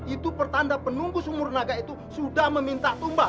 itu pertanda penunggu sumunaga itu sudah meminta tumbang